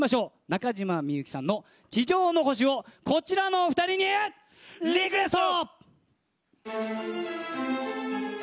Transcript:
中島みゆきさんの地上の星をこちらのお２人にリクエスト。